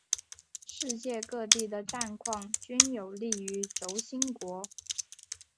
世界各地的战况均有利于轴心国。